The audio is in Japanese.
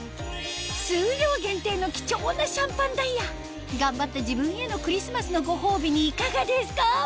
数量限定の貴重なシャンパンダイヤ頑張った自分へのクリスマスのご褒美にいかがですか？